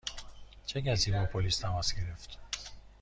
چه کسی با پلیس تماس گرفت؟